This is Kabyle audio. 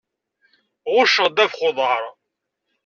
Ɣucceɣ ddabex n uḍaṛ.